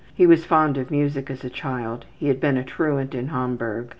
He was fond of music as a child. He had been a truant in Hamburg.